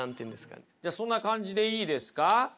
じゃあそんな感じでいいですか？